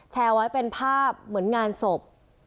แชร์ไว้เป็นภาพเหมือนงานศพ